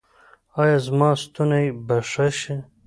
ایا زما ستونی به ښه شي؟